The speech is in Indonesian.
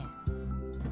ketika diberi penyelamatkan